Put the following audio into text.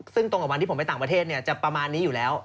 ซึ่งตรงกับวันที่ผมไปต่างประเทศจะประมาณนี้อยู่แล้ว